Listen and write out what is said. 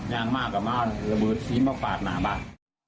ยางมากระบวนซีมเผาปาดหน้าบาท